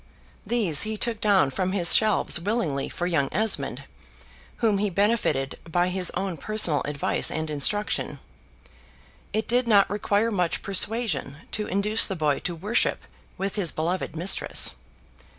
These he took down from his shelves willingly for young Esmond, whom he benefited by his own personal advice and instruction. It did not require much persuasion to induce the boy to worship with his beloved mistress.